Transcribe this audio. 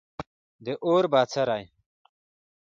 د اور بڅری